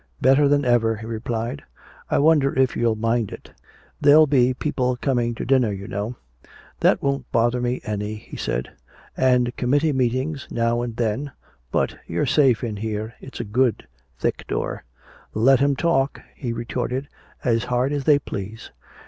"Better than ever," he replied. "I wonder if you'll mind it. There'll be people coming to dinner, you know " "That won't bother me any," he said. "And committee meetings now and then. But you're safe in here, it's a good thick door." "Let 'em talk," he retorted, "as hard as they please.